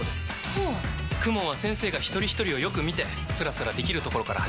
はぁＫＵＭＯＮは先生がひとりひとりをよく見てスラスラできるところから始めます。